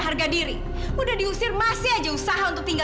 sampai jumpa di video selanjutnya